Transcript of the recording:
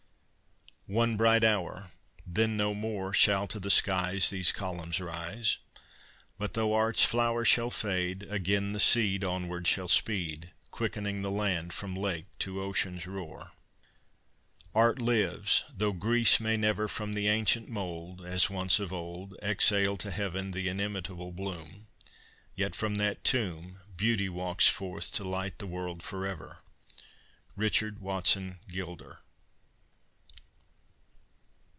IV One bright hour, then no more Shall to the skies These columns rise. But though art's flower shall fade, again the seed Onward shall speed, Quickening the land from lake to ocean's roar. V Art lives, though Greece may never From the ancient mold As once of old Exhale to heaven the inimitable bloom; Yet from that tomb Beauty walks forth to light the world forever! RICHARD WATSON GILDER.